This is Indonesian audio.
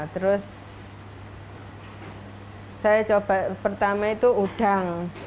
terus saya coba pertama itu udang